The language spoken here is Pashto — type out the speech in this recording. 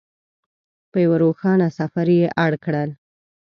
په یوه روښانه سفر یې اړ کړل.